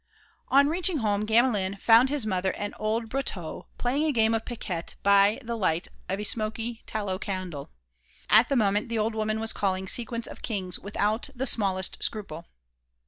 On reaching home, Gamelin found his mother and old Brotteaux playing a game of piquet by the light of a smoky tallow candle. At the moment the old woman was calling "sequence of kings" without the smallest scruple.